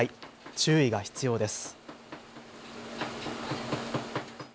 注意が必要です。